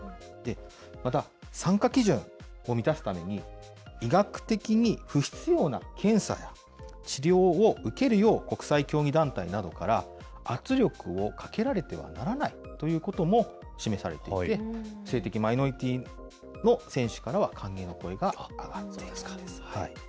また、参加基準を満たすために、医学的に不必要な検査や治療を受けるよう国際競技団体などから圧力をかけられてはならないということも示されていて、性的マイノリティーの選手からは歓迎の声が上がっているそうです。